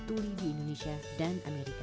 dan juga komunitas tuli di indonesia dan amerika